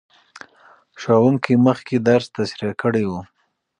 ښوونکی مخکې درس تشریح کړی و.